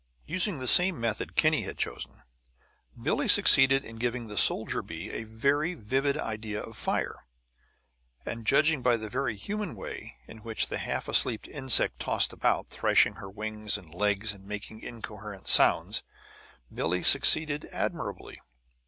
Using the same method Kinney had chosen, Billie succeeded in giving the soldier bee a very vivid idea of fire. And judging by the very human way in which the half asleep insect tossed about, thrashing her wings and legs and making incoherent sounds, Billie succeeded admirably.